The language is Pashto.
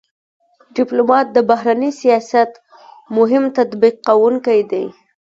ډيپلومات د بهرني سیاست مهم تطبیق کوونکی دی.